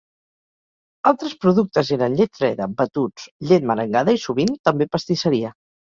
Altres productes eren llet freda, batuts, llet merengada i sovint també pastisseria.